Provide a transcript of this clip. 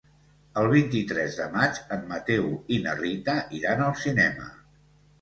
El vint-i-tres de maig en Mateu i na Rita iran al cinema.